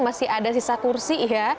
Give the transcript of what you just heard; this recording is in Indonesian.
masih ada sisa kursi ya